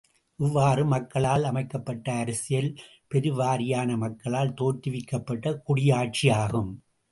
இவ்வாறு மக்களால் அமைக்கப்பட்ட அரசியல் பெருவாரியான மக்களால் தோற்றுவிக்கப்பட்ட குடியாட்சியாகும்.